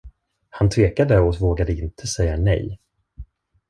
Han tvekade och vågade inte säga nej.